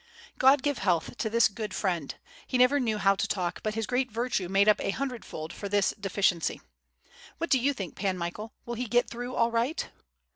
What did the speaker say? " "God give health to this good friend! He never knew how to talk, but his great virtue made up a hundredfold for this deficiency. What do you think, Pan Michael, will he get through all right?''